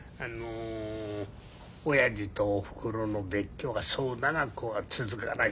「おやじとおふくろの別居はそう長くは続かない。